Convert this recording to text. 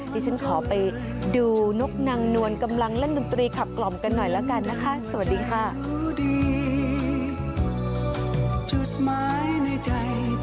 ดิฉันขอไปดูนกนางนวลกำลังเล่นดนตรีขับกล่อมกันหน่อยแล้วกันนะคะสวัสดีค่ะ